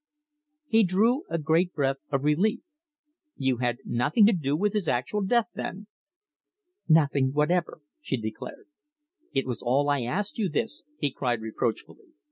He drew a great breath of relief. "You had nothing to do with his actual death, then?" "Nothing whatever," she declared. "It was all I asked you, this," he cried reproachfully.